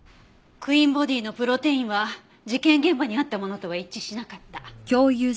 クイーンボディーのプロテインは事件現場にあったものとは一致しなかった。